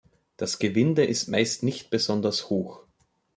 Das Gewinde ist meist nicht besonders hoch.